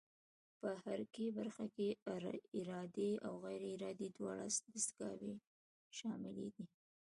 په حرکي برخه کې ارادي او غیر ارادي دواړه دستګاوې شاملې دي.